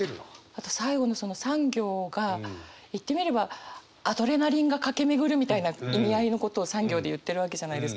あと最後のその３行が言ってみればアドレナリンが駆け巡るみたいな意味合いのことを３行で言ってるわけじゃないですか。